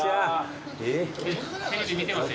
テレビ見てます。